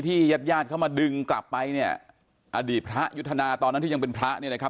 ญาติญาติเขามาดึงกลับไปเนี่ยอดีตพระยุทธนาตอนนั้นที่ยังเป็นพระเนี่ยนะครับ